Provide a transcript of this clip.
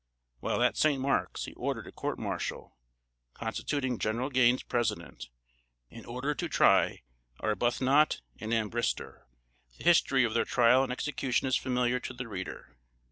While at St. Marks, he ordered a court martial, constituting General Gaines president, in order to try Arbuthnot and Ambrister. The history of their trial and execution is familiar to the reader.